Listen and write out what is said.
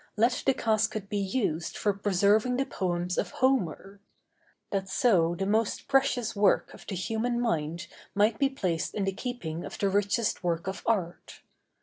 let the casket be used for preserving the poems of Homer;" that so the most precious work of the human mind might be placed in the keeping of the richest work of art.